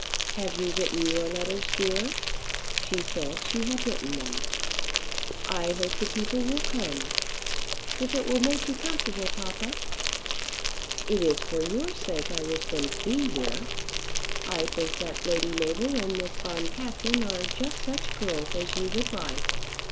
"Have you written your letters, dear?" She said she had written them. "I hope the people will come." "If it will make you comfortable, papa!" "It is for your sake I wish them to be here. I think that Lady Mabel and Miss Boncassen are just such girls as you would like."